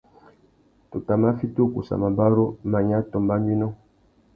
Tu tà mà fiti ukussa mabarú, manya tô mbanuénô.